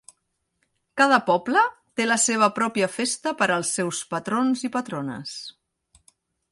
Cada poble té la seva pròpia festa per als seus patrons i patrones.